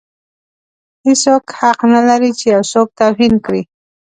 هیڅوک حق نه لري چې یو څوک توهین کړي.